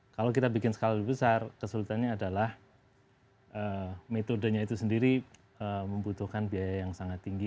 kalau kita bikin skala lebih besar kesulitannya adalah metodenya itu sendiri membutuhkan biaya yang sangat tinggi